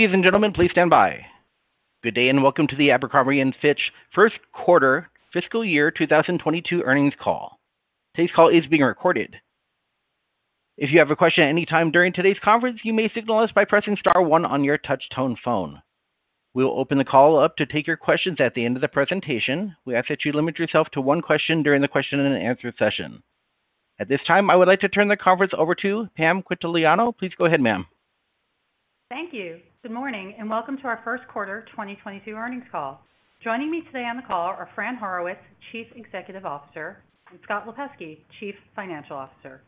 Ladies and gentlemen, please stand by. Good day, and welcome to the Abercrombie & Fitch First Quarter Fiscal Year 2022 Earnings Call. Today's call is being recorded. If you have a question any time during today's conference, you may signal us by pressing star one on your touchtone phone. We will open the call up to take your questions at the end of the presentation. We ask that you limit yourself to one question during the question and answer session. At this time, I would like to turn the conference over to Pam Quintiliano. Please go ahead, ma'am. Thank you. Good morning, and welcome to our First Quarter 2022 Earnings Call. Joining me today on the call are Fran Horowitz, Chief Executive Officer, and Scott Lipesky, Chief Financial Officer.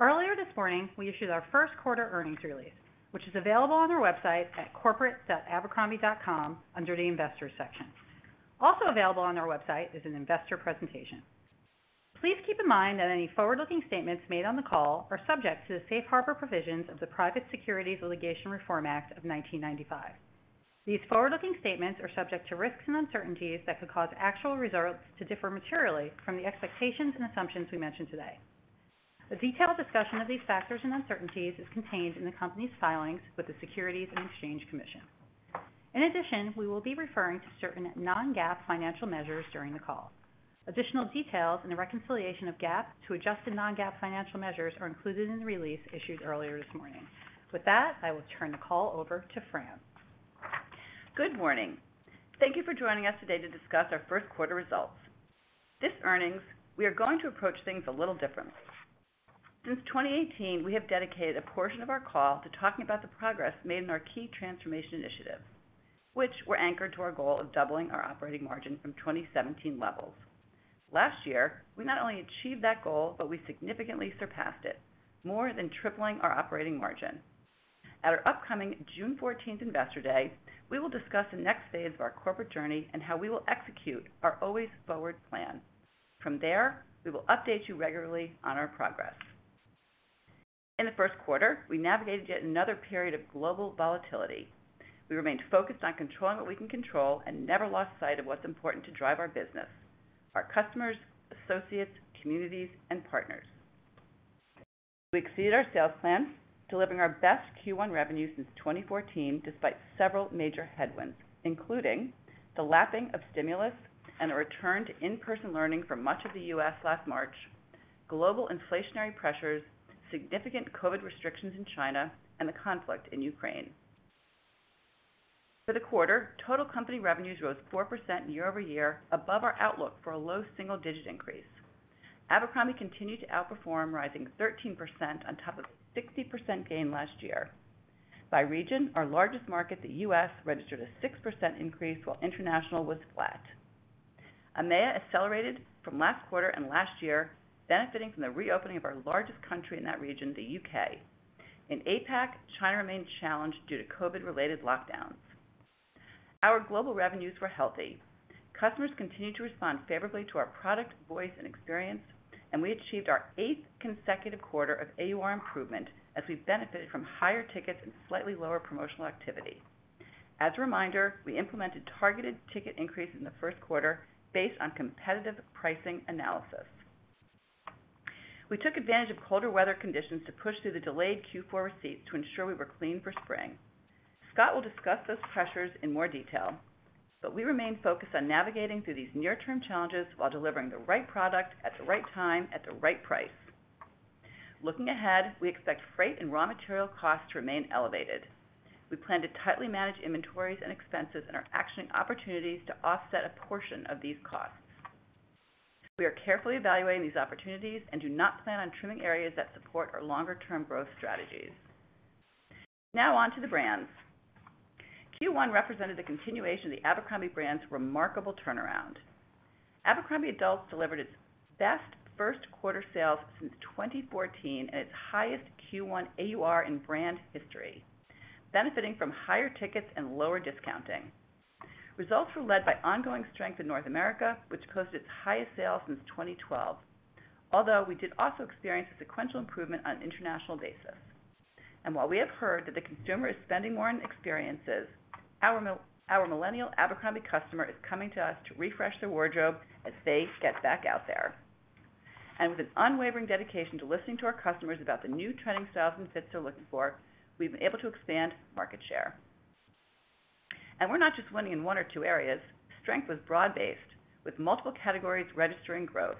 Earlier this morning, we issued our first quarter earnings release, which is available on our website at corporate.abercrombie.com under the Investors section. Also available on our website is an investor presentation. Please keep in mind that any forward-looking statements made on the call are subject to the Safe Harbor provisions of the Private Securities Litigation Reform Act of 1995. These forward-looking statements are subject to risks and uncertainties that could cause actual results to differ materially from the expectations and assumptions we mention today. A detailed discussion of these factors and uncertainties is contained in the company's filings with the Securities and Exchange Commission. In addition, we will be referring to certain non-GAAP financial measures during the call. Additional details in the reconciliation of GAAP to adjusted non-GAAP financial measures are included in the release issued earlier this morning. With that, I will turn the call over to Fran. Good morning. Thank you for joining us today to discuss our first quarter results. This earnings call, we are going to approach things a little differently. Since 2018, we have dedicated a portion of our call to talking about the progress made in our key transformation initiatives, which were anchored to our goal of doubling our operating margin from 2017 levels. Last year, we not only achieved that goal, but we significantly surpassed it, more than tripling our operating margin. At our upcoming June 14th Investor Day, we will discuss the next phase of our corporate journey and how we will execute our Always Forward Plan. From there, we will update you regularly on our progress. In the first quarter, we navigated yet another period of global volatility. We remained focused on controlling what we can control and never lost sight of what's important to drive our business, our customers, associates, communities, and partners. We exceeded our sales plans, delivering our best Q1 revenue since 2014 despite several major headwinds, including the lapping of stimulus and a return to in-person learning for much of the U.S. last March, global inflationary pressures, significant COVID restrictions in China, and the conflict in Ukraine. For the quarter, total company revenues rose 4% year-over-year above our outlook for a low single-digit increase. Abercrombie continued to outperform, rising 13% on top of a 60% gain last year. By region, our largest market, the U.S., registered a 6% increase while international was flat. EMEA accelerated from last quarter and last year, benefiting from the reopening of our largest country in that region, the U.K. In APAC, China remained challenged due to COVID-related lockdowns. Our global revenues were healthy. Customers continued to respond favorably to our product, voice, and experience, and we achieved our eighth consecutive quarter of AUR improvement as we benefited from higher tickets and slightly lower promotional activity. As a reminder, we implemented targeted ticket increase in the first quarter based on competitive pricing analysis. We took advantage of colder weather conditions to push through the delayed Q4 receipts to ensure we were clean for spring. Scott will discuss those pressures in more detail, but we remain focused on navigating through these near-term challenges while delivering the right product at the right time at the right price. Looking ahead, we expect freight and raw material costs to remain elevated. We plan to tightly manage inventories and expenses and are actioning opportunities to offset a portion of these costs. We are carefully evaluating these opportunities and do not plan on trimming areas that support our longer-term growth strategies. Now on to the brands. Q1 represented the continuation of the Abercrombie brand's remarkable turnaround. Abercrombie Adults delivered its best first quarter sales since 2014 at its highest Q1 AUR in brand history, benefiting from higher tickets and lower discounting. Results were led by ongoing strength in North America, which posted its highest sales since 2012, although we did also experience a sequential improvement on an international basis. While we have heard that the consumer is spending more on experiences, our millennial Abercrombie customer is coming to us to refresh their wardrobe as they get back out there. With an unwavering dedication to listening to our customers about the new trending styles and fits they're looking for, we've been able to expand market share. We're not just winning in one or two areas. Strength was broad-based, with multiple categories registering growth.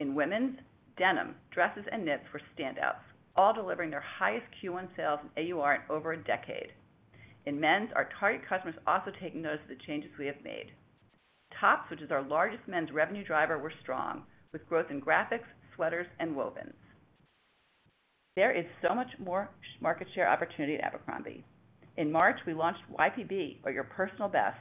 In women's, denim, dresses, and knits were standouts, all delivering their highest Q1 sales in AUR in over a decade. In men's, our target customers also taking notice of the changes we have made. Tops, which is our largest men's revenue driver, were strong, with growth in graphics, sweaters, and wovens. There is so much more market share opportunity at Abercrombie. In March, we launched YPB, or Your Personal Best,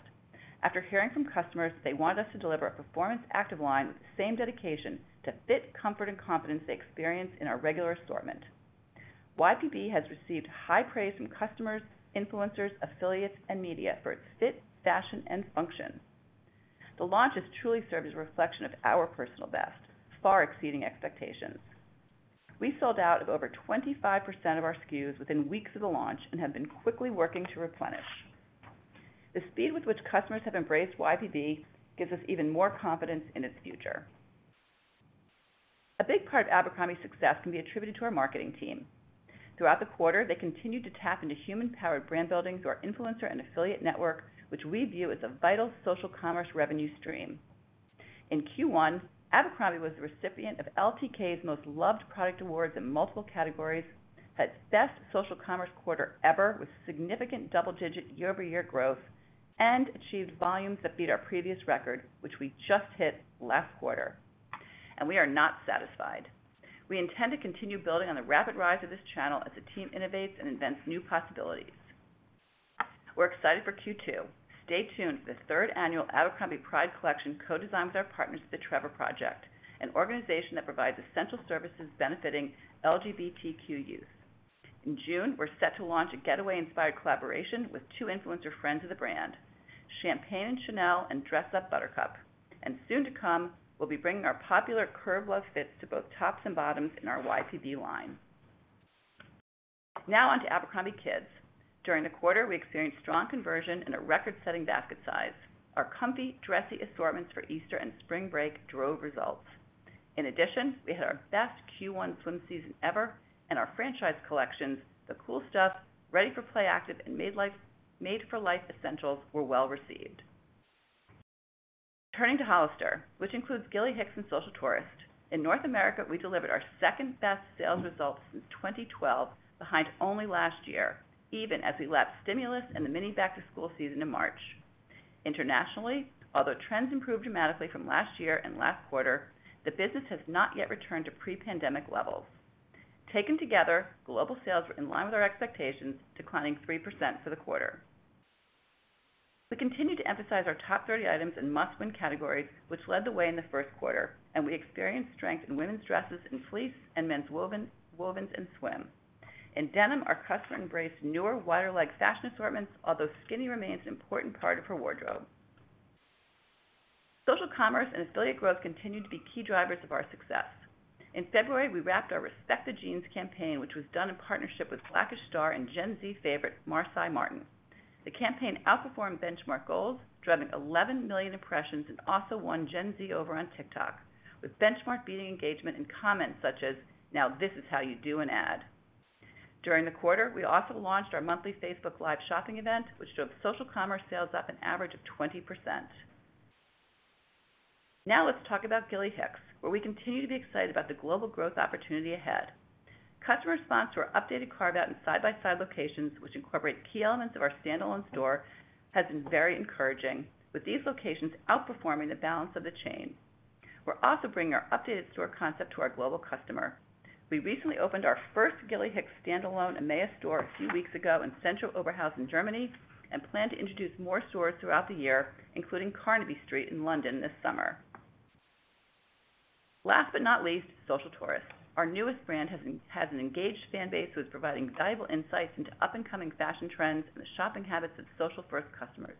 after hearing from customers that they wanted us to deliver a performance active line with the same dedication to fit, comfort, and confidence they experience in our regular assortment. YPB has received high praise from customers, influencers, affiliates, and media for its fit, fashion, and function. The launch has truly served as a reflection of our personal best, far exceeding expectations. We sold out of over 25% of our SKUs within weeks of the launch and have been quickly working to replenish. The speed with which customers have embraced YPB gives us even more confidence in its future. A big part of Abercrombie's success can be attributed to our marketing team. Throughout the quarter, they continued to tap into human-powered brand building through our influencer and affiliate network, which we view as a vital social commerce revenue stream. In Q1, Abercrombie was the recipient of LTK Most Loved Awards in multiple categories, had its best social commerce quarter ever, with significant double-digit year-over-year growth, and achieved volumes that beat our previous record, which we just hit last quarter. We are not satisfied. We intend to continue building on the rapid rise of this channel as the team innovates and invents new possibilities. We're excited for Q2. Stay tuned for the third annual Abercrombie Pride Collection co-designed with our partners at The Trevor Project, an organization that provides essential services benefiting LGBTQ youth. In June, we're set to launch a getaway-inspired collaboration with two influencer friends of the brand, Champagne and Chanel and Dress Up Buttercup. Soon to come, we'll be bringing our popular Curve Love fits to both tops and bottoms in our YPB line. Now on to abercrombie kids. During the quarter, we experienced strong conversion and a record-setting basket size. Our comfy, dressy assortments for Easter and spring break drove results. In addition, we had our best Q1 swim season ever, and our franchise collections, The Cool Stuff, Ready for play active, and Made For Life Essentials were well-received. Turning to Hollister, which includes Gilly Hicks and Social Tourist, in North America, we delivered our second-best sales results since 2012, behind only last year, even as we lapped stimulus and the mini back-to-school season in March. Internationally, although trends improved dramatically from last year and last quarter, the business has not yet returned to pre-pandemic levels. Taken together, global sales were in line with our expectations, declining 3% for the quarter. We continue to emphasize our top 30 items in must-win categories, which led the way in the first quarter, and we experienced strength in women's dresses and fleece and men's wovens and swim. In denim, our customer embraced newer, wide-leg fashion assortments, although skinny remains an important part of her wardrobe. Social commerce and affiliate growth continued to be key drivers of our success. In February, we wrapped our Respect The Jeans campaign, which was done in partnership with Black-ish star and Gen Z favorite, Marsai Martin. The campaign outperformed benchmark goals, driving 11 million impressions, and also won Gen Z over on TikTok with benchmark-beating engagement and comments such as, "Now this is how you do an ad." During the quarter, we also launched our monthly Facebook Live shopping event, which drove social commerce sales up an average of 20%. Now let's talk about Gilly Hicks, where we continue to be excited about the global growth opportunity ahead. Customer response to our updated carve-out and side-by-side locations, which incorporate key elements of our standalone store, has been very encouraging, with these locations outperforming the balance of the chain. We're also bringing our updated store concept to our global customer. We recently opened our first Gilly Hicks standalone EMEA store a few weeks ago in CentrO Oberhausen in Germany and plan to introduce more stores throughout the year, including Carnaby Street in London this summer. Last but not least, Social Tourist. Our newest brand has an engaged fan base who is providing valuable insights into up-and-coming fashion trends and the shopping habits of social-first customers,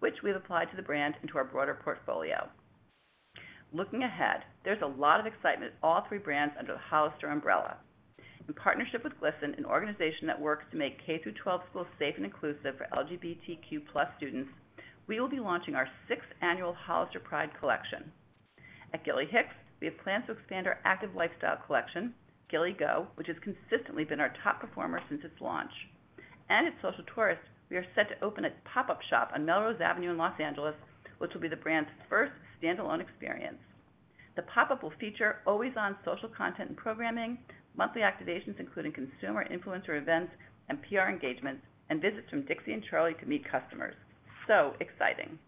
which we've applied to the brand and to our broader portfolio. Looking ahead, there's a lot of excitement in all three brands under the Hollister umbrella. In partnership with GLSEN, an organization that works to make K-12 schools safe and inclusive for LGBTQ+ students, we will be launching our 6th annual Hollister Pride Collection. At Gilly Hicks, we have plans to expand our active lifestyle collection, Gilly Go, which has consistently been our top performer since its launch. At Social Tourist, we are set to open a pop-up shop on Melrose Avenue in Los Angeles, which will be the brand's first standalone experience. The pop-up will feature always-on social content and programming, monthly activations, including consumer influencer events and PR engagements, and visits from Dixie and Charli to meet customers. Exciting.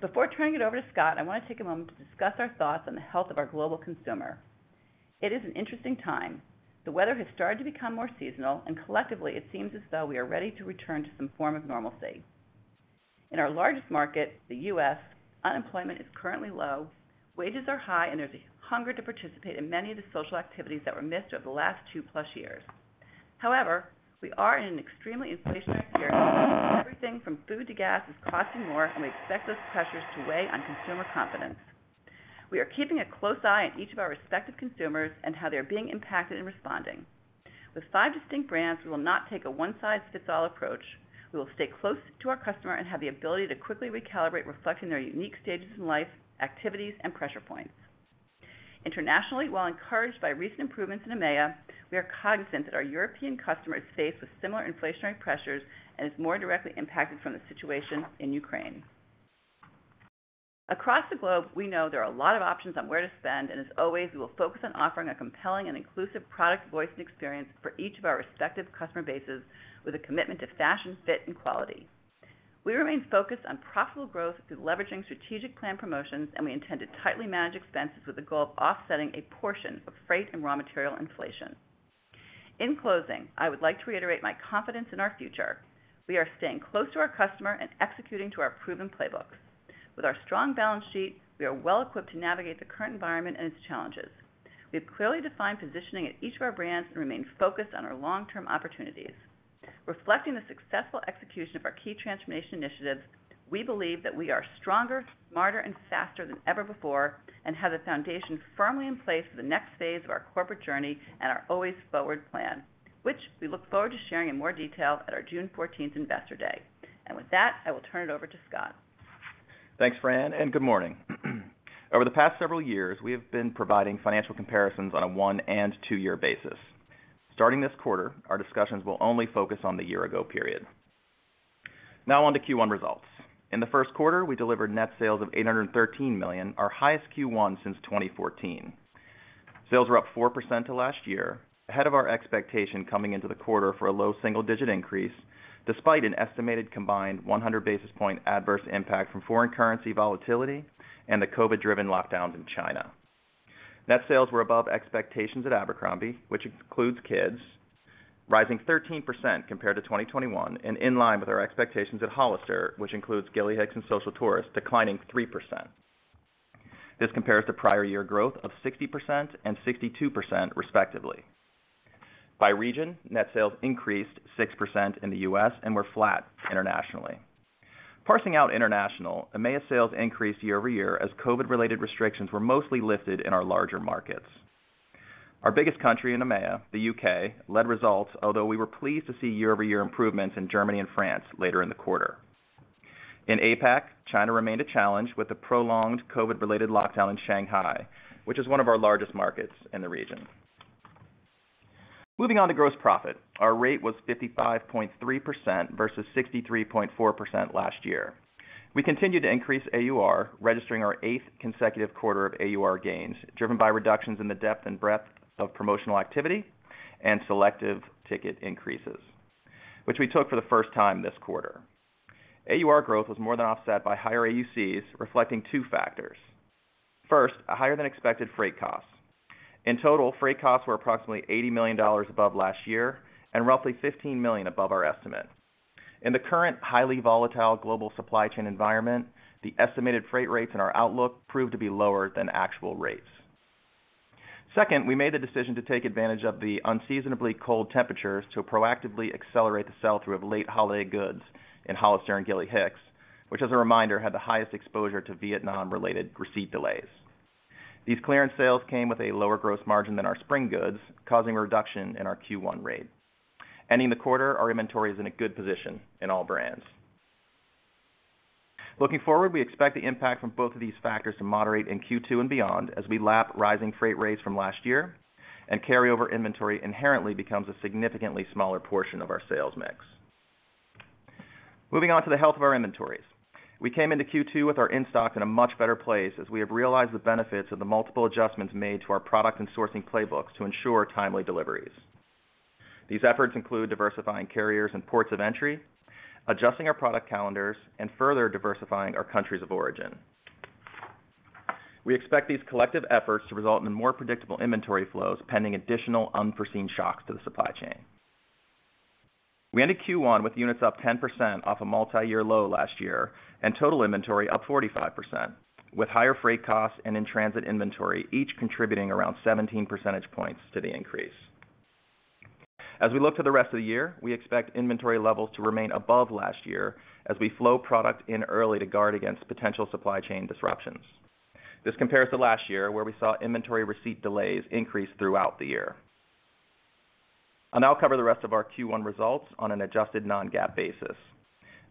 Before turning it over to Scott, I want to take a moment to discuss our thoughts on the health of our global consumer. It is an interesting time. The weather has started to become more seasonal, and collectively, it seems as though we are ready to return to some form of normalcy. In our largest market, the U.S., unemployment is currently low, wages are high, and there's a hunger to participate in many of the social activities that were missed over the last two-plus years. However, we are in an extremely inflationary period. Everything from food to gas is costing more, and we expect those pressures to weigh on consumer confidence. We are keeping a close eye on each of our respective consumers and how they are being impacted and responding. With five distinct brands, we will not take a one-size-fits-all approach. We will stay close to our customer and have the ability to quickly recalibrate, reflecting their unique stages in life, activities, and pressure points. Internationally, while encouraged by recent improvements in EMEA, we are cognizant that our European customer is faced with similar inflationary pressures and is more directly impacted from the situation in Ukraine. Across the globe, we know there are a lot of options on where to spend, and as always, we will focus on offering a compelling and inclusive product voice and experience for each of our respective customer bases with a commitment to fashion, fit, and quality. We remain focused on profitable growth through leveraging strategic plan promotions, and we intend to tightly manage expenses with the goal of offsetting a portion of freight and raw material inflation. In closing, I would like to reiterate my confidence in our future. We are staying close to our customer and executing to our proven playbooks. With our strong balance sheet, we are well equipped to navigate the current environment and its challenges. We have clearly defined positioning at each of our brands and remain focused on our long-term opportunities. Reflecting the successful execution of our key transformation initiatives, we believe that we are stronger, smarter, and faster than ever before and have the foundation firmly in place for the next phase of our corporate journey and our Always Forward Plan, which we look forward to sharing in more detail at our June fourteenth Investor Day. With that, I will turn it over to Scott. Thanks, Fran, and good morning. Over the past several years, we have been providing financial comparisons on a one- and two-year basis. Starting this quarter, our discussions will only focus on the year-ago period. Now on to Q1 results. In the first quarter, we delivered net sales of $813 million, our highest Q1 since 2014. Sales were up 4% to last year, ahead of our expectation coming into the quarter for a low single-digit increase, despite an estimated combined 100 basis points adverse impact from foreign currency volatility and the COVID-driven lockdowns in China. Net sales were above expectations at Abercrombie, which includes Kids, rising 13% compared to 2021 and in line with our expectations at Hollister, which includes Gilly Hicks and Social Tourist, declining 3%. This compares to prior year growth of 60% and 62% respectively. By region, net sales increased 6% in the U.S. and were flat internationally. Parsing out international, EMEA sales increased year-over-year as COVID-related restrictions were mostly lifted in our larger markets. Our biggest country in EMEA, the U.K., led results, although we were pleased to see year-over-year improvements in Germany and France later in the quarter. In APAC, China remained a challenge with the prolonged COVID-related lockdown in Shanghai, which is one of our largest markets in the region. Moving on to gross profit, our rate was 55.3% versus 63.4% last year. We continued to increase AUR, registering our eighth consecutive quarter of AUR gains, driven by reductions in the depth and breadth of promotional activity and selective ticket increases, which we took for the first time this quarter. AUR growth was more than offset by higher AUCs, reflecting two factors. First, a higher than expected freight cost. In total, freight costs were approximately $80 million above last year and roughly $15 million above our estimate. In the current highly volatile global supply chain environment, the estimated freight rates in our outlook proved to be lower than actual rates. Second, we made the decision to take advantage of the unseasonably cold temperatures to proactively accelerate the sell-through of late holiday goods in Hollister and Gilly Hicks, which, as a reminder, had the highest exposure to Vietnam-related receipt delays. These clearance sales came with a lower gross margin than our spring goods, causing a reduction in our Q1 rate. Ending the quarter, our inventory is in a good position in all brands. Looking forward, we expect the impact from both of these factors to moderate in Q2 and beyond as we lap rising freight rates from last year, and carryover inventory inherently becomes a significantly smaller portion of our sales mix. Moving on to the health of our inventories. We came into Q2 with our in-stock in a much better place as we have realized the benefits of the multiple adjustments made to our product and sourcing playbooks to ensure timely deliveries. These efforts include diversifying carriers and ports of entry, adjusting our product calendars, and further diversifying our countries of origin. We expect these collective efforts to result in more predictable inventory flows pending additional unforeseen shocks to the supply chain. We ended Q1 with units up 10% off a multi-year low last year and total inventory up 45%, with higher freight costs and in-transit inventory each contributing around 17 percentage points to the increase. As we look to the rest of the year, we expect inventory levels to remain above last year as we flow product in early to guard against potential supply chain disruptions. This compares to last year, where we saw inventory receipt delays increase throughout the year. I'll now cover the rest of our Q1 results on an adjusted non-GAAP basis.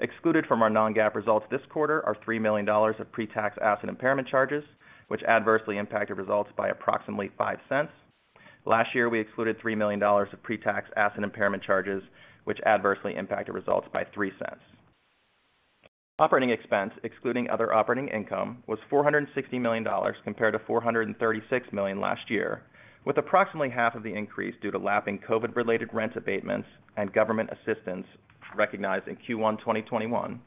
Excluded from our non-GAAP results this quarter are $3 million of pre-tax asset impairment charges, which adversely impacted results by approximately $0.05. Last year, we excluded $3 million of pre-tax asset impairment charges, which adversely impacted results by $0.03. Operating expense, excluding other operating income, was $460 million compared to $436 million last year, with approximately half of the increase due to lapping COVID-related rent abatements and government assistance recognized in Q1 2021,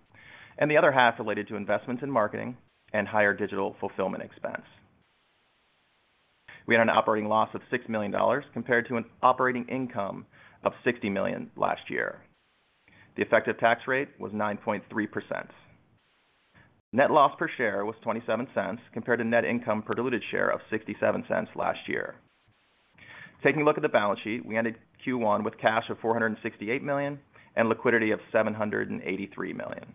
and the other half related to investments in marketing and higher digital fulfillment expense. We had an operating loss of $6 million compared to an operating income of $60 million last year. The effective tax rate was 9.3%. Net loss per share was $0.27 compared to net income per diluted share of $0.67 last year. Taking a look at the balance sheet, we ended Q1 with cash of $468 million and liquidity of $783 million.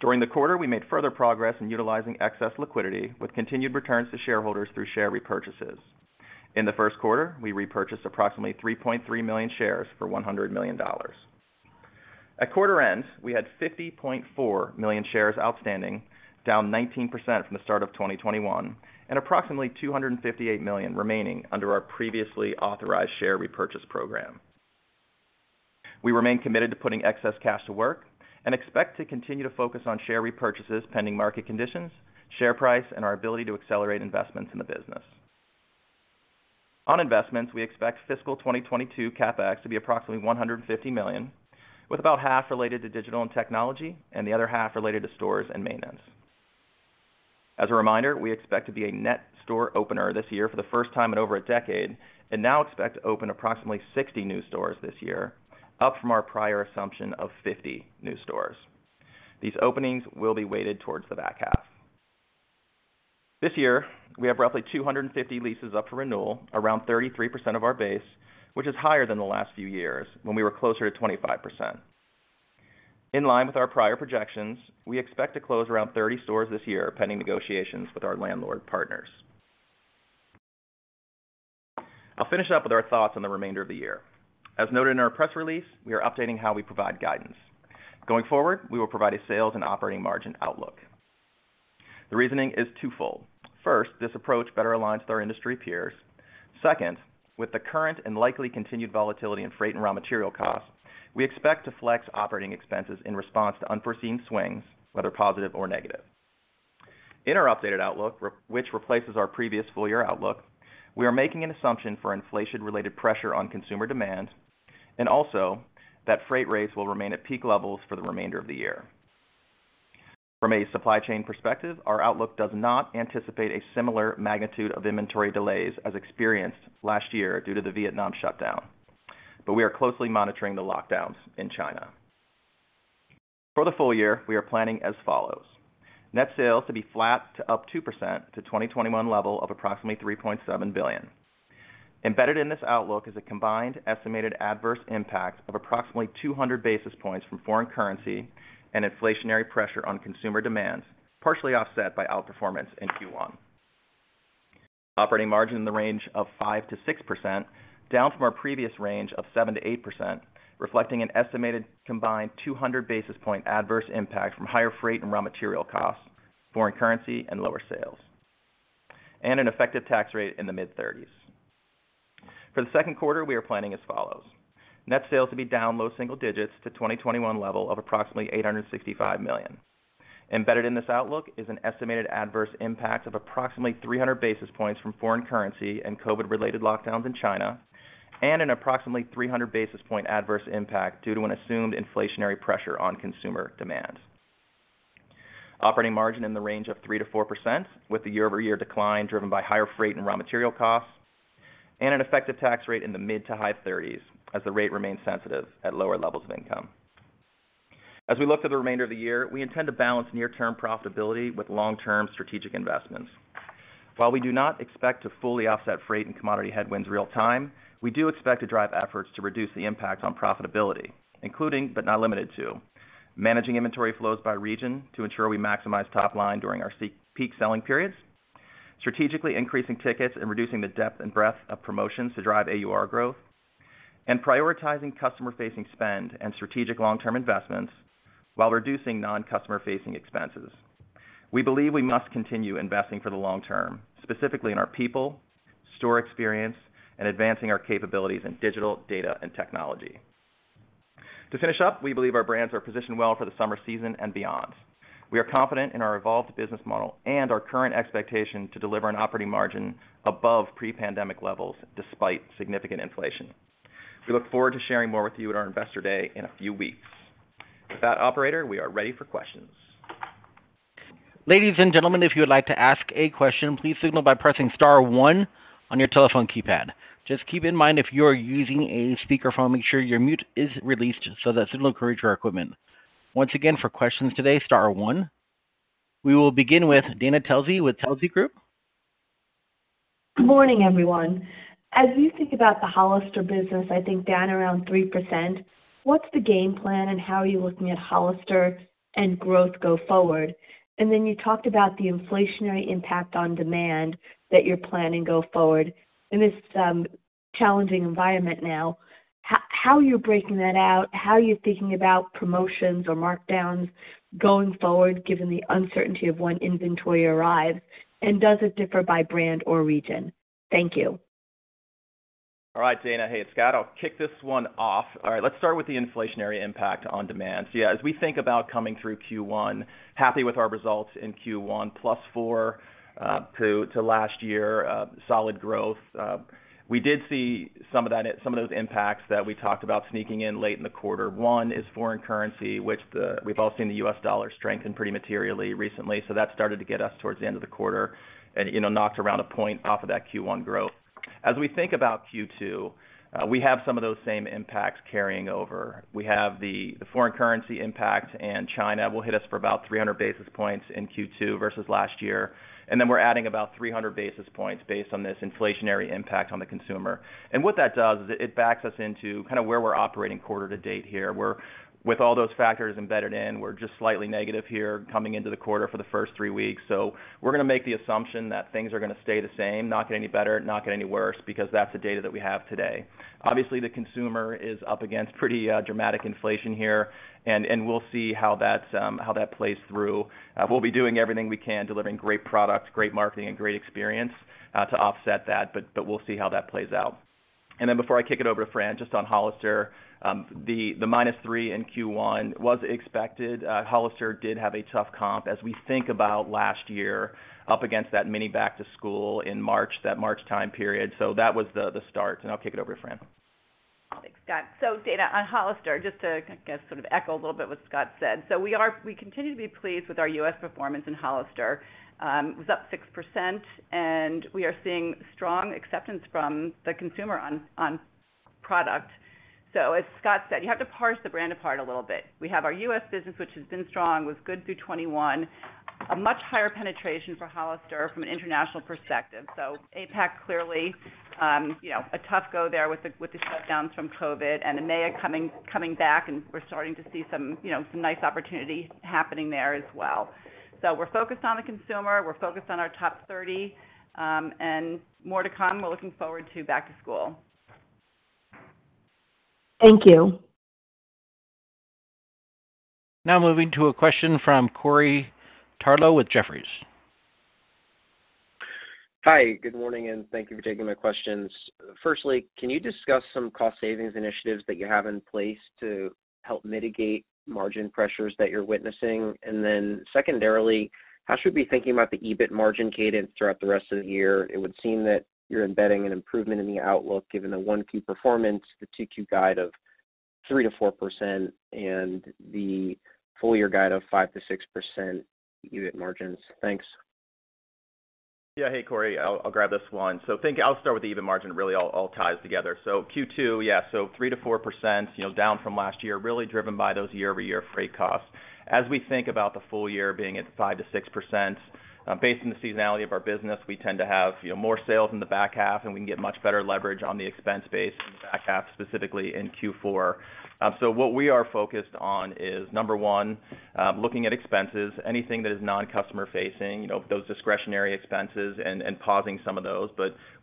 During the quarter, we made further progress in utilizing excess liquidity with continued returns to shareholders through share repurchases. In the first quarter, we repurchased approximately 3.3 million shares for $100 million. At quarter end, we had 50.4 million shares outstanding, down 19% from the start of 2021, and approximately 258 million remaining under our previously authorized share repurchase program. We remain committed to putting excess cash to work and expect to continue to focus on share repurchases pending market conditions, share price, and our ability to accelerate investments in the business. On investments, we expect fiscal 2022 CapEx to be approximately $150 million, with about half related to digital and technology and the other half related to stores and maintenance. As a reminder, we expect to be a net store opener this year for the first time in over a decade and now expect to open approximately 60 new stores this year, up from our prior assumption of 50 new stores. These openings will be weighted towards the back half. This year, we have roughly 250 leases up for renewal, around 33% of our base, which is higher than the last few years when we were closer to 25%. In line with our prior projections, we expect to close around 30 stores this year, pending negotiations with our landlord partners. I'll finish up with our thoughts on the remainder of the year. As noted in our press release, we are updating how we provide guidance. Going forward, we will provide a sales and operating margin outlook. The reasoning is twofold. First, this approach better aligns with our industry peers. Second, with the current and likely continued volatility in freight and raw material costs, we expect to flex operating expenses in response to unforeseen swings, whether positive or negative. In our updated outlook, which replaces our previous full year outlook, we are making an assumption for inflation-related pressure on consumer demand and also that freight rates will remain at peak levels for the remainder of the year. From a supply chain perspective, our outlook does not anticipate a similar magnitude of inventory delays as experienced last year due to the Vietnam shutdown, but we are closely monitoring the lockdowns in China. For the full year, we are planning as follows. Net sales to be flat to up 2% to 2021 level of approximately $3.7 billion. Embedded in this outlook is a combined estimated adverse impact of approximately 200 basis points from foreign currency and inflationary pressure on consumer demand, partially offset by outperformance in Q1. Operating margin in the range of 5% to 6%, down from our previous range of 7% to 8%, reflecting an estimated combined 200 basis point adverse impact from higher freight and raw material costs, foreign currency, and lower sales, and an effective tax rate in the mid-30s. For the second quarter, we are planning as follows, net sales to be down low single-digits to 2021 level of approximately $865 million. Embedded in this outlook is an estimated adverse impact of approximately 300 basis points from foreign currency and COVID-related lockdowns in China and an approximately 300 basis point adverse impact due to an assumed inflationary pressure on consumer demand. Operating margin in the range of 3% to 4%, with the year-over-year decline driven by higher freight and raw material costs, and an effective tax rate in the mid- to high 30s% as the rate remains sensitive at lower levels of income. As we look to the remainder of the year, we intend to balance near-term profitability with long-term strategic investments. While we do not expect to fully offset freight and commodity headwinds in real time, we do expect to drive efforts to reduce the impact on profitability, including, but not limited to, managing inventory flows by region to ensure we maximize top line during our peak selling periods, strategically increasing tickets and reducing the depth and breadth of promotions to drive AUR growth, and prioritizing customer-facing spend and strategic long-term investments while reducing non-customer facing expenses. We believe we must continue investing for the long term, specifically in our people, store experience, and advancing our capabilities in digital data and technology. To finish up, we believe our brands are positioned well for the summer season and beyond. We are confident in our evolved business model and our current expectation to deliver an operating margin above pre-pandemic levels despite significant inflation. We look forward to sharing more with you at our Investor Day in a few weeks. With that, operator, we are ready for questions. Ladies and gentlemen, if you would like to ask a question, please signal by pressing star one on your telephone keypad. Just keep in mind if you are using a speakerphone, make sure your mute is released so that it'll encourage your equipment. Once again, for questions today, star one. We will begin with Dana Telsey with Telsey Advisory Group. Good morning, everyone. As you think about the Hollister business, I think down around 3%, what's the game plan and how are you looking at Hollister and growth go forward? You talked about the inflationary impact on demand that you're planning go forward in this, challenging environment now. How you're breaking that out, how you're thinking about promotions or markdowns going forward, given the uncertainty of when inventory arrives, and does it differ by brand or region? Thank you. All right, Dana. Hey, it's Scott. I'll kick this one off. All right. Let's start with the inflationary impact on demand. Yeah, as we think about coming through Q1, happy with our results in Q1, +4% to last year, solid growth. We did see some of those impacts that we talked about sneaking in late in the quarter. One is foreign currency, which we've all seen the U.S. dollar strengthen pretty materially recently. That started to get us towards the end of the quarter and, you know, knocked around a point off of that Q1 growth. As we think about Q2, we have some of those same impacts carrying over. We have the foreign currency impact in China will hit us for about 300 basis points in Q2 versus last year. Then we're adding about 300 basis points based on this inflationary impact on the consumer. What that does is it backs us into kind of where we're operating quarter-to-date here, where with all those factors embedded in, we're just slightly negative here coming into the quarter for the first three weeks. We're gonna make the assumption that things are gonna stay the same, not get any better, not get any worse, because that's the data that we have today. Obviously, the consumer is up against pretty, dramatic inflation here, and we'll see how that plays through. We'll be doing everything we can, delivering great products, great marketing, and great experience, to offset that, but we'll see how that plays out. Before I kick it over to Fran, just on Hollister, the -3% in Q1 was expected. Hollister did have a tough comp as we think about last year up against that mini back-to-school in March, that March time period. That was the start. I'll kick it over to Fran. Thanks, Scott. Dana, on Hollister, just to, I guess, sort of echo a little bit what Scott said. We continue to be pleased with our U.S. performance in Hollister. It was up 6%, and we are seeing strong acceptance from the consumer on product. As Scott said, you have to parse the brand apart a little bit. We have our U.S. business, which has been strong, was good through 2021. A much higher penetration for Hollister from an international perspective. APAC, clearly, you know, a tough go there with the shutdowns from COVID and EMEA coming back, and we're starting to see some you know some nice opportunity happening there as well. We're focused on the consumer, we're focused on our top 30, and more to come. We're looking forward to back-to-school. Thank you. Now moving to a question from Corey Tarlowe with Jefferies. Hi, good morning, and thank you for taking my questions. Firstly, can you discuss some cost savings initiatives that you have in place to help mitigate margin pressures that you're witnessing? Secondarily, how should we be thinking about the EBIT margin cadence throughout the rest of the year? It would seem that you're embedding an improvement in the outlook given the Q1 performance, the Q2 guide of 3% to 4% and the full year guide of 5% to 6% EBIT margins. Thanks. Yeah. Hey, Corey. I'll grab this one. I think I'll start with the EBIT margin, really all ties together. Q2 3% to 4%, you know, down from last year, really driven by those year-over-year freight costs. As we think about the full year being at 5% to 6%, based on the seasonality of our business, we tend to have, you know, more sales in the back half, and we can get much better leverage on the expense base in the back half, specifically in Q4. What we are focused on is, number one, looking at expenses, anything that is non-customer facing, you know, those discretionary expenses and pausing some of those.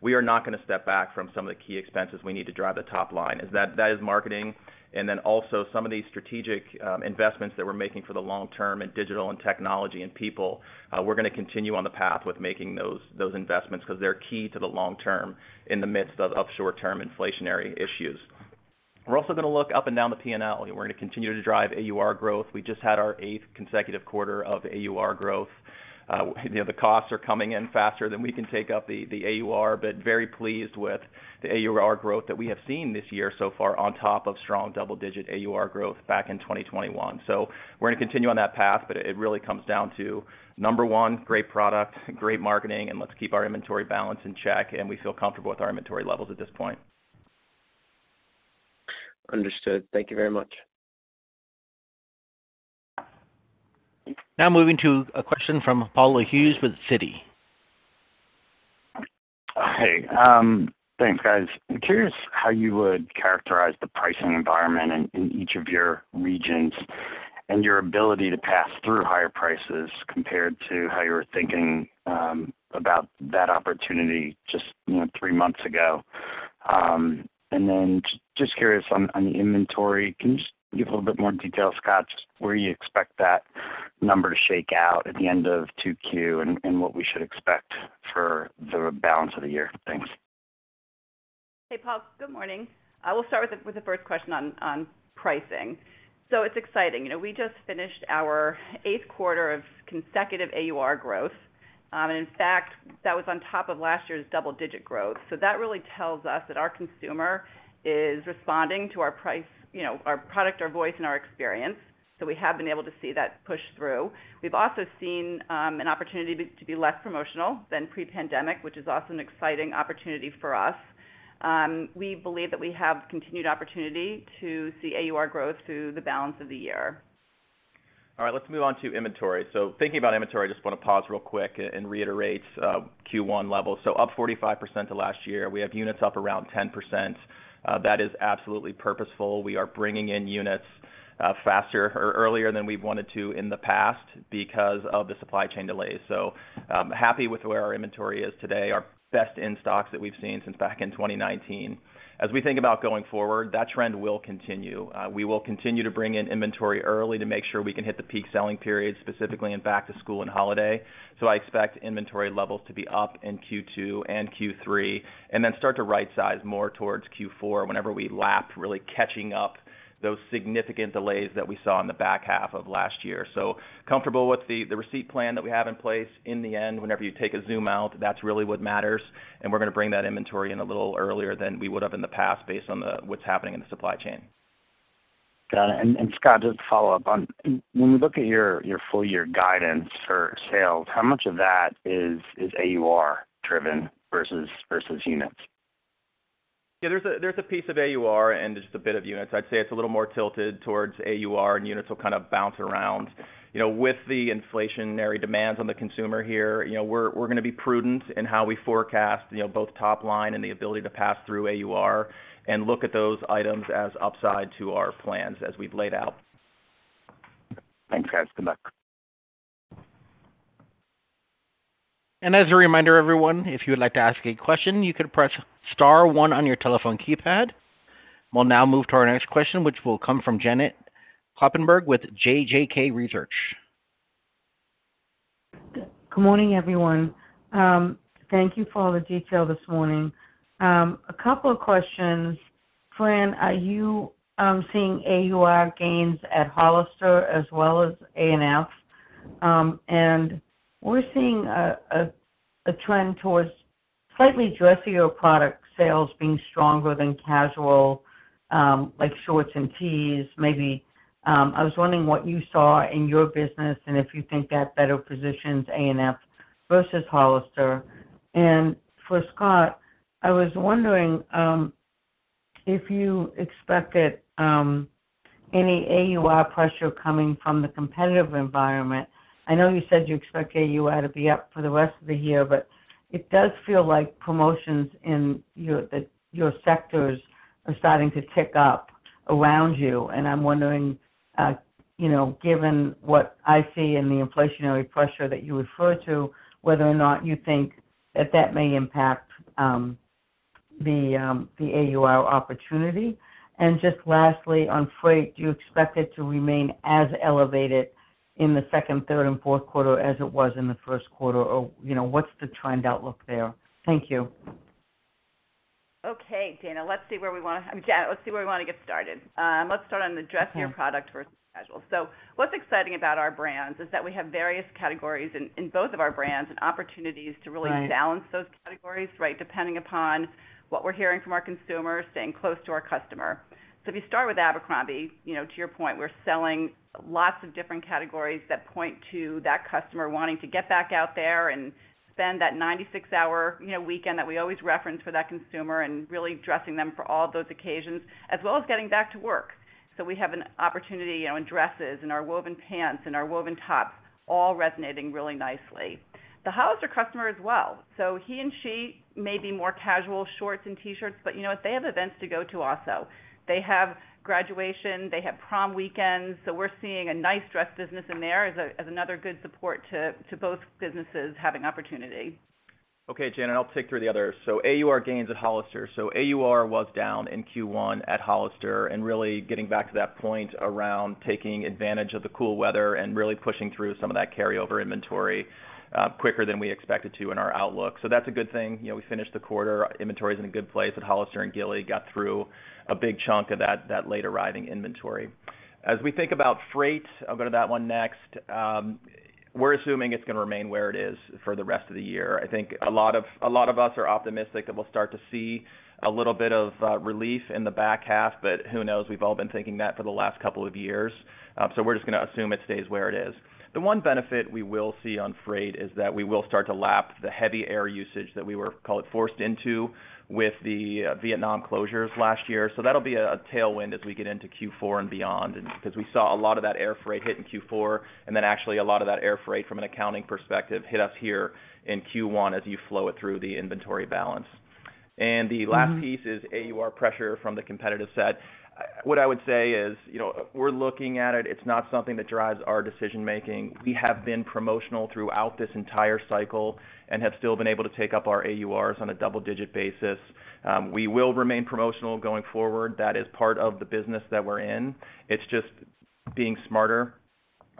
We are not gonna step back from some of the key expenses we need to drive the top line. That is marketing, and then also some of these strategic investments that we're making for the long term in digital and technology and people. We're gonna continue on the path with making those investments 'cause they're key to the long term in the midst of short-term inflationary issues. We're also gonna look up and down the P&L. We're gonna continue to drive AUR growth. We just had our eighth consecutive quarter of AUR growth. You know, the costs are coming in faster than we can take up the AUR, but very pleased with the AUR growth that we have seen this year so far on top of strong double-digit AUR growth back in 2021. We're gonna continue on that path, but it really comes down to number one, great product, great marketing, and let's keep our inventory balance in check, and we feel comfortable with our inventory levels at this point. Understood. Thank you very much. Now moving to a question from Paul Lejuez with Citi. Hey. Thanks, guys. I'm curious how you would characterize the pricing environment in each of your regions and your ability to pass through higher prices compared to how you were thinking about that opportunity just, you know, three months ago. Just curious on the inventory, can you just give a little bit more detail, Scott, just where you expect that number to shake out at the end of Q2 and what we should expect for the balance of the year? Thanks. Hey, Paul. Good morning. I will start with the first question on pricing. It's exciting. You know, we just finished our eighth quarter of consecutive AUR growth. In fact, that was on top of last year's double-digit growth. That really tells us that our consumer is responding to our price, you know, our product, our voice, and our experience. We have been able to see that push through. We've also seen an opportunity to be less promotional than pre-pandemic, which is also an exciting opportunity for us. We believe that we have continued opportunity to see AUR growth through the balance of the year. All right, let's move on to inventory. Thinking about inventory, I just wanna pause real quick and reiterate Q1 levels. Up 45% to last year. We have units up around 10%. That is absolutely purposeful. We are bringing in units faster or earlier than we've wanted to in the past because of the supply chain delays. Happy with where our inventory is today, our best-in-stocks that we've seen since back in 2019. As we think about going forward, that trend will continue. We will continue to bring in inventory early to make sure we can hit the peak selling periods, specifically in back-to-school and holiday. I expect inventory levels to be up in Q2 and Q3, and then start to right-size more towards Q4 whenever we lap, really catching up those significant delays that we saw in the back half of last year. Comfortable with the receipt plan that we have in place. In the end, whenever you take a zoom out, that's really what matters, and we're gonna bring that inventory in a little earlier than we would have in the past based on what's happening in the supply chain. Got it. Scott, just to follow up on. When we look at your full year guidance for sales, how much of that is AUR driven versus units? Yeah, there's a piece of AUR and just a bit of units. I'd say it's a little more tilted towards AUR and units will kind of bounce around. You know, with the inflationary demands on the consumer here, you know, we're gonna be prudent in how we forecast, you know, both top line and the ability to pass through AUR and look at those items as upside to our plans as we've laid out. Thanks, guys. Good luck. As a reminder, everyone, if you would like to ask a question, you can press star one on your telephone keypad. We'll now move to our next question, which will come from Janet Kloppenburg with JJK Research. Good morning, everyone. Thank you for all the detail this morning. A couple of questions. Fran, are you seeing AUR gains at Hollister as well as A&F? We're seeing a trend towards slightly dressier product sales being stronger than casual, like shorts and tees, maybe. I was wondering what you saw in your business, and if you think that better positions A&F versus Hollister. For Scott, I was wondering if you expected any AUR pressure coming from the competitive environment. I know you said you expect AUR to be up for the rest of the year, but it does feel like promotions in your sectors are starting to tick up around you. I'm wondering, you know, given what I see in the inflationary pressure that you refer to, whether or not you think if that may impact the AUR opportunity. Just lastly, on freight, do you expect it to remain as elevated in the second, third, and fourth quarter as it was in the first quarter, or, you know, what's the trend outlook there? Thank you. Okay, Dana. I mean, Janet, let's see where we wanna get started. Let's start on the dressier product versus casual. What's exciting about our brands is that we have various categories in both of our brands and opportunities to really balance those categories, right? Depending upon what we're hearing from our consumers, staying close to our customer. If you start with Abercrombie, you know, to your point, we're selling lots of different categories that point to that customer wanting to get back out there and spend that 96-hour, you know, weekend that we always reference for that consumer and really dressing them for all of those occasions, as well as getting back to work. We have an opportunity, you know, in dresses, in our woven pants, in our woven tops, all resonating really nicely. The Hollister customer as well, so he and she may be more casual shorts and T-shirts, but you know what? They have events to go to also. They have graduation. They have prom weekends. We're seeing a nice dress business in there as another good support to both businesses having opportunity. Okay, Janet Kloppenburg, I'll take you through the others. AUR gains at Hollister. AUR was down in Q1 at Hollister, and really getting back to that point around taking advantage of the cool weather and really pushing through some of that carryover inventory quicker than we expected to in our outlook. That's a good thing. You know, we finished the quarter. Inventory's in a good place at Hollister and Gilly Hicks. Got through a big chunk of that late-arriving inventory. As we think about freight, I'll go to that one next. We're assuming it's gonna remain where it is for the rest of the year. I think a lot of us are optimistic that we'll start to see a little bit of relief in the back half, but who knows? We've all been thinking that for the last couple of years, so we're just gonna assume it stays where it is. The one benefit we will see on freight is that we will start to lap the heavy air usage that we were, call it, forced into with the Vietnam closures last year. That'll be a tailwind as we get into Q4 and beyond. Because we saw a lot of that air freight hit in Q4, and then actually a lot of that air freight from an accounting perspective hit us here in Q1 as you flow it through the inventory balance. The last piece is AUR pressure from the competitive set. What I would say is, you know, we're looking at it. It's not something that drives our decision-making. We have been promotional throughout this entire cycle and have still been able to take up our AURs on a double-digit basis. We will remain promotional going forward. That is part of the business that we're in. It's just being smarter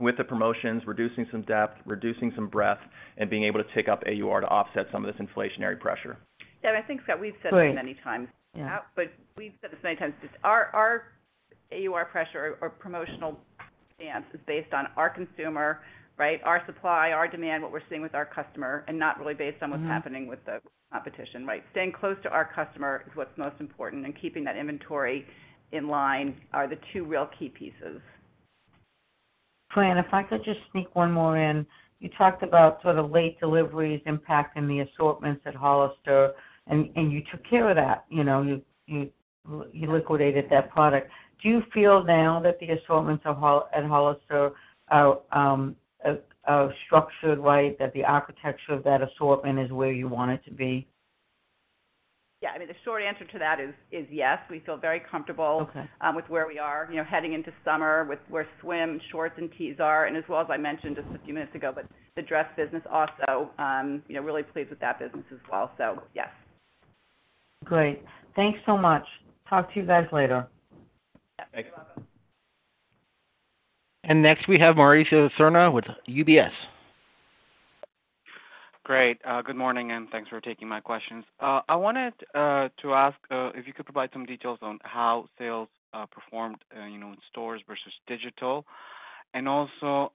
with the promotions, reducing some depth, reducing some breadth, and being able to take up AUR to offset some of this inflationary pressure. Yeah, I think, Scott, we've said this many times. Great. Yeah. We've said this many times, just our AUR pressure or promotional stance is based on our consumer, right, our supply, our demand, what we're seeing with our customer, and not really based on what's happening with the competition, right? Staying close to our customer is what's most important, and keeping that inventory in line are the two real key pieces. Fran, if I could just sneak one more in. You talked about sort of late deliveries impacting the assortments at Hollister, and you took care of that. You know, you liquidated that product. Do you feel now that the assortments at Hollister are structured right, that the architecture of that assortment is where you want it to be? Yeah. I mean, the short answer to that is yes. We feel very comfortable with where we are, you know, heading into summer with where swim, shorts, and tees are, and as well as I mentioned just a few minutes ago, but the dress business also, you know, really pleased with that business as well. So yes. Great. Thanks so much. Talk to you guys later. Yeah. Thanks. You're welcome. And next, we have Mauricio Serna with UBS. Great. Good morning, and thanks for taking my questions. I wanted to ask if you could provide some details on how sales performed, you know, in-stores versus digital. And also,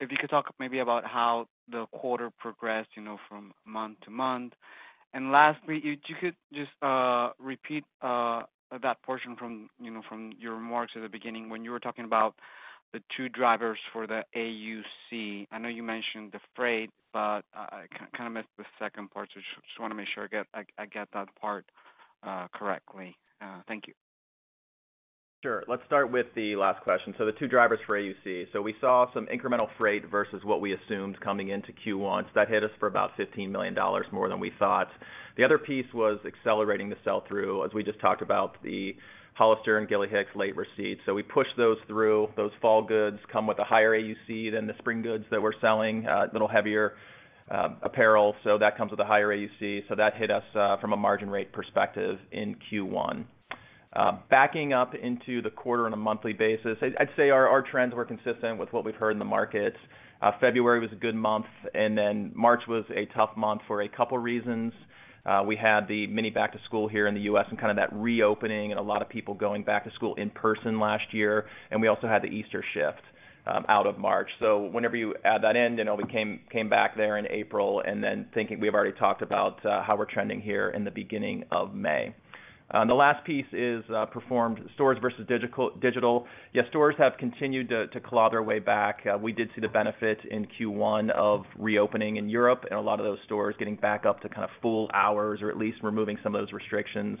if you could talk maybe about how the quarter progressed, you know, from month-to-month. And lastly, if you could just repeat that portion from, you know, from your remarks at the beginning when you were talking about the two drivers for the AUC. I know you mentioned the freight, but I kind of missed the second part, so just wanna make sure I get that part correctly. Thank you. Sure. Let's start with the last question, so the two drivers for AUC. We saw some incremental freight versus what we assumed coming into Q1, so that hit us for about $15 million more than we thought. The other piece was accelerating the sell-through, as we just talked about, the Hollister and Gilly Hicks late receipts. We pushed those through. Those fall goods come with a higher AUC than the spring goods that we're selling, a little heavier apparel, so that comes with a higher AUC. That hit us from a margin rate perspective in Q1. Backing up into the quarter on a monthly basis, I'd say our trends were consistent with what we've heard in the markets. February was a good month, and then March was a tough month for a couple reasons. We had the mini back-to-school here in the U.S. and kind of that reopening and a lot of people going back-to-school in person last year, and we also had the Easter shift out of March. Whenever you add that in, you know, we came back there in April. We've already talked about how we're trending here in the beginning of May. The last piece is physical stores versus digital. Stores have continued to claw their way back. We did see the benefit in Q1 of reopening in Europe and a lot of those stores getting back up to kind of full hours or at least removing some of those restrictions.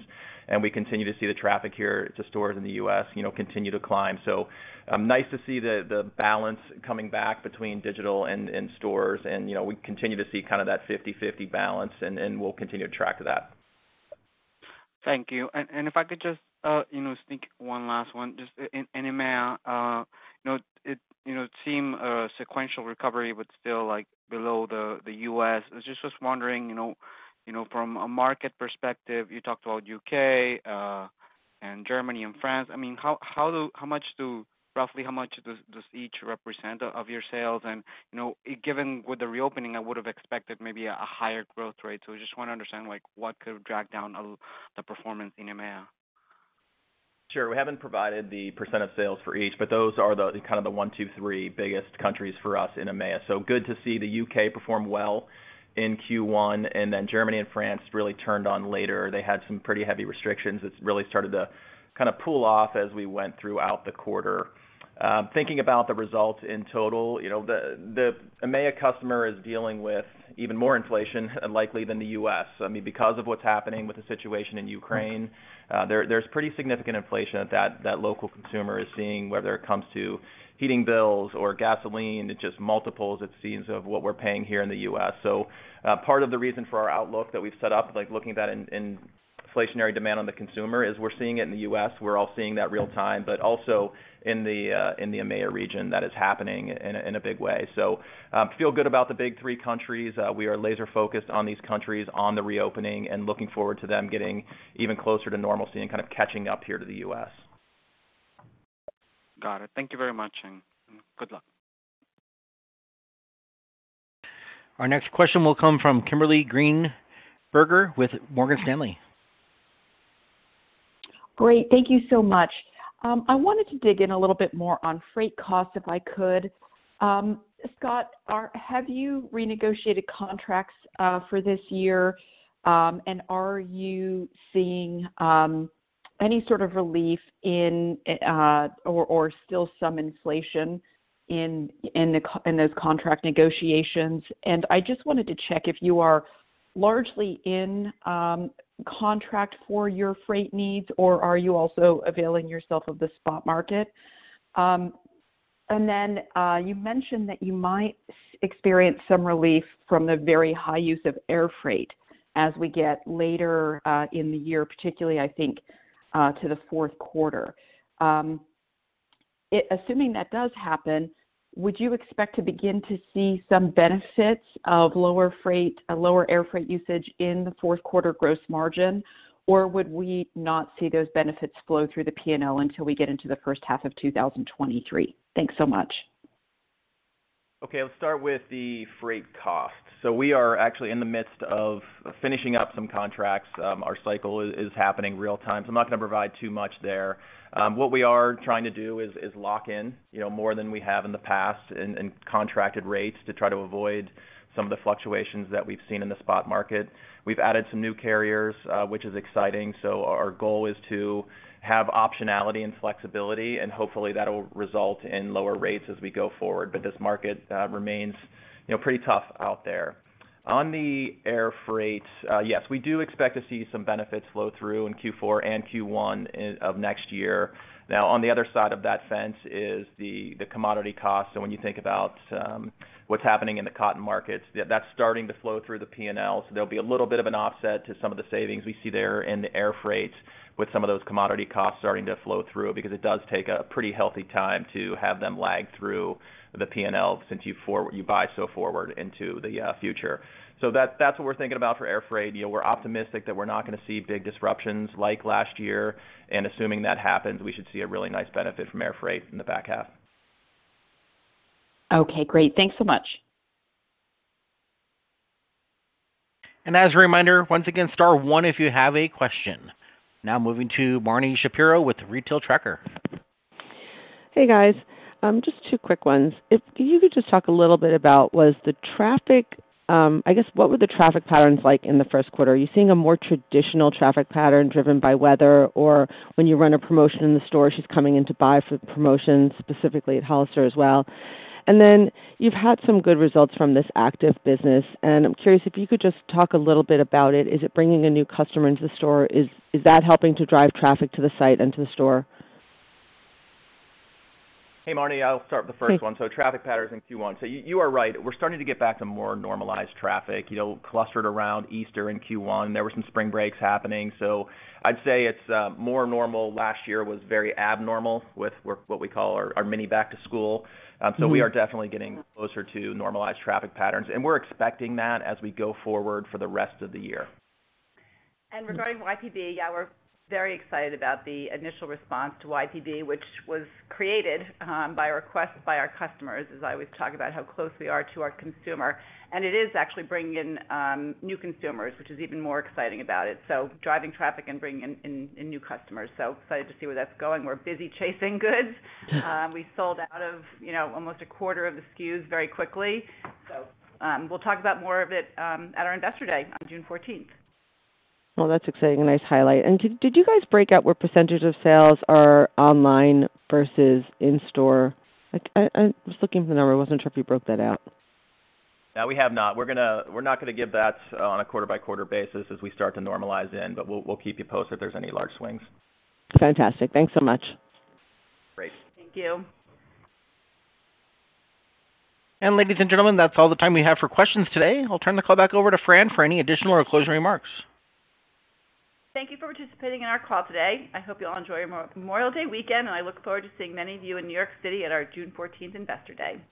We continue to see the traffic here to stores in the U.S., you know, continue to climb. Nice to see the balance coming back between digital and stores, you know, we continue to see kind of that 50-50 balance and we'll continue to track to that. Thank you. If I could just, you know, sneak one last one. Just in EMEA, you know, it seems sequential recovery, but still like below the U.S. I was wondering, you know, from a market perspective, you talked about U.K. and Germany and France. I mean, roughly how much does each represent of your sales? You know, given with the reopening, I would've expected maybe a higher growth rate, so I just wanna understand like what could drag down the performance in EMEA? Sure. We haven't provided the % of sales for each, but those are the kind of the one, two, three biggest countries for us in EMEA. Good to see the U.K. perform well in Q1, and then Germany and France really turned on later. They had some pretty heavy restrictions that's really started to kind of pull off as we went throughout the quarter. Thinking about the results in total, you know, the EMEA customer is dealing with even more inflation likely than the U.S. I mean, because of what's happening with the situation in Ukraine, there's pretty significant inflation that local consumer is seeing, whether it comes to heating bills or gasoline. It's just multiples it seems of what we're paying here in the U.S. Part of the reason for our outlook that we've set up, like looking at that in inflationary demand on the consumer is we're seeing it in the U.S, we're all seeing that real time, but also in the EMEA region that is happening in a big way. Feel good about the big three countries. We are laser focused on these countries on the reopening and looking forward to them getting even closer to normalcy and kind of catching up here to the U.S. Got it. Thank you very much, and good luck. Our next question will come from Kimberly Greenberger with Morgan Stanley. Great. Thank you so much. I wanted to dig in a little bit more on freight costs, if I could. Scott, have you renegotiated contracts for this year? And are you seeing any sort of relief in or still some inflation in those contract negotiations? I just wanted to check if you are largely in contract for your freight needs, or are you also availing yourself of the spot market? And then you mentioned that you might experience some relief from the very high use of air freight as we get later in the year, particularly I think to the fourth quarter. Assuming that does happen, would you expect to begin to see some benefits of lower freight, a lower air freight usage in the fourth quarter gross margin, or would we not see those benefits flow through the P&L until we get into the first half of 2023? Thanks so much. Okay. Let's start with the freight cost. We are actually in the midst of finishing up some contracts. Our cycle is happening real time, so I'm not gonna provide too much there. What we are trying to do is lock in, you know, more than we have in the past and contracted rates to try to avoid some of the fluctuations that we've seen in the spot market. We've added some new carriers, which is exciting, so our goal is to have optionality and flexibility, and hopefully that'll result in lower rates as we go forward. This market remains, you know, pretty tough out there. On the air freight, yes, we do expect to see some benefits flow through in Q4 and Q1 of next year. Now, on the other side of that fence is the commodity cost. When you think about what's happening in the cotton markets, that's starting to flow through the P&L. There'll be a little bit of an offset to some of the savings we see there in the air freight with some of those commodity costs starting to flow through because it does take a pretty healthy time to have them lag through the P&L since you buy so forward into the future. That's what we're thinking about for air freight. You know, we're optimistic that we're not gonna see big disruptions like last year, and assuming that happens, we should see a really nice benefit from air freight in the back half. Okay, great. Thanks so much. As a reminder, once again, star one if you have a question. Now moving to Marni Shapiro with Retail Tracker. Hey, guys. Just two quick ones. If you could just talk a little bit about, I guess, what were the traffic patterns like in the first quarter? Are you seeing a more traditional traffic pattern driven by weather? Or when you run a promotion in the store, she's coming in to buy for the promotion, specifically at Hollister as well. You've had some good results from this active business, and I'm curious if you could just talk a little bit about it. Is it bringing a new customer into the store? Is that helping to drive traffic to the site and to the store? Hey, Marni, I'll start with the first one. Thanks. Traffic patterns in Q1. You are right. We're starting to get back to more normalized traffic, you know, clustered around Easter in Q1. There were some spring breaks happening, so I'd say it's more normal. Last year was very abnormal with what we call our mini back-to-school. We are definitely getting closer to normalized traffic patterns, and we're expecting that as we go forward for the rest of the year. Regarding YPB, yeah, we're very excited about the initial response to YPB, which was created by request by our customers, as I always talk about how close we are to our consumer. It is actually bringing in new consumers, which is even more exciting about it. Driving traffic and bringing in new customers, so excited to see where that's going. We're busy chasing goods. We sold out of, you know, almost a quarter of the SKUs very quickly. We'll talk about more of it at our Investor Day on June 14th. Well, that's exciting. A nice highlight. Did you guys break out what percentage of sales are online versus in-store? Like, I was looking for the number. I wasn't sure if you broke that out. No, we have not. We're not gonna give that on a quarter-by-quarter basis as we start to normalize in, but we'll keep you posted if there's any large swings. Fantastic. Thanks so much. Great. Thank you. Ladies and gentlemen, that's all the time we have for questions today. I'll turn the call back over to Fran for any additional or closing remarks. Thank you for participating in our call today. I hope you all enjoy your Memorial Day weekend, and I look forward to seeing many of you in New York City at our June 14th Investor Day.